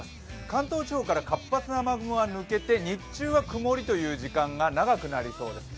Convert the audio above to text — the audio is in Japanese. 関東地方から活発な雨雲が抜けて日中は曇りの時間が長くなりそうです。